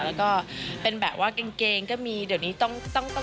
แล้วก็เป็นแบบว่าเกงก็มีเดี๋ยวนี้ต้อง